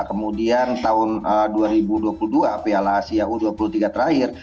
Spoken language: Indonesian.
kemudian tahun dua ribu dua puluh dua piala asia u dua puluh tiga terakhir